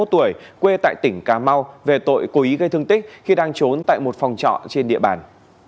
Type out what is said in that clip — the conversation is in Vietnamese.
hai mươi tuổi quê tại tỉnh cà mau về tội cố ý gây thương tích khi đang trốn tại một phòng trọ trên địa bàn